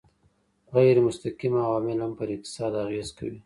غیرمستقیم عوامل هم پر اقتصاد اغېز کوي.